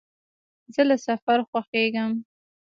زه له سفر خوښېږم.